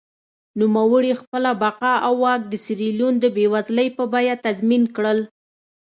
نوموړي خپله بقا او واک د سیریلیون د بېوزلۍ په بیه تضمین کړل.